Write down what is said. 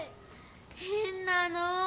へんなの！